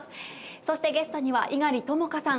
そして、ゲストには猪狩ともかさん。